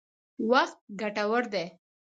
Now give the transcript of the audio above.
وخت ګټور دی.